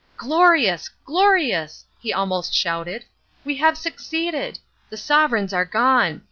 "Glorious, glorious," he almost shouted, "we have succeeded! The sovereigns are gone.